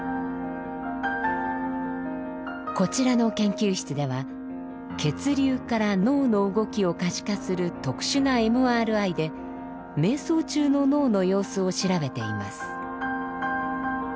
こちらの研究室では血流から脳の動きを可視化する特殊なＭＲＩで瞑想中の脳の様子を調べています。